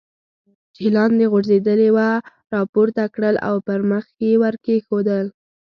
چې لاندې غورځېدلې وه را پورته کړل او پر مخ یې ور کېښودل.